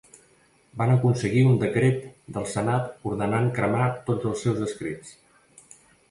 Van aconseguir un decret del senat ordenant cremar tots els seus escrits.